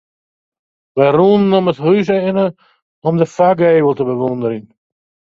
Wy rûnen om it hús hinne om de foargevel te bewûnderjen.